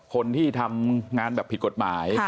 คนที่ทำงานแบบผิดกฎหมาย